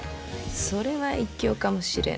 それは一興かもしれぬ。